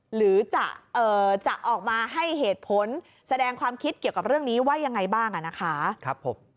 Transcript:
หรือจะออกมาให้เหตุผลแสดงความคิดเรื่องนี้ว่าอย่างไรบ้างค่ะ